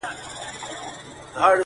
جهاني د قلم ژبه دي ګونګۍ که!!